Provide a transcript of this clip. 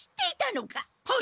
はい！